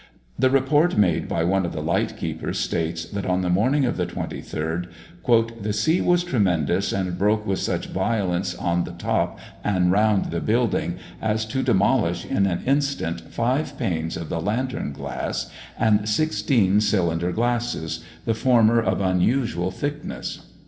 The report made by one of the light keepers states, that on the morning of the 23rd, "the sea was tremendous, and broke with such violence on the top and round the building, as to demolish in an instant five panes of the lantern glass, and sixteen cylinder glasses, the former of unusual thickness.